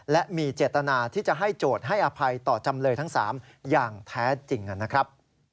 และมีเจตนาที่จะให้โจทย์ให้อภัยต่อจำเลยทั้ง๓อย่างแท้จริงนะครับ